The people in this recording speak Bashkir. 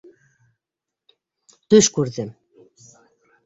Төш күрҙем.